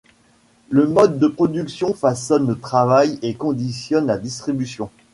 Le mode de production façonne le travail et conditionne la distribution.